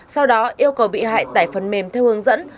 sau đó yêu cầu bị hại tải phần mềm theo hướng dẫn